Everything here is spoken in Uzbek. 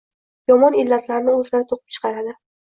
Yomon illatlarni o’zlari to’qib chiqaradi.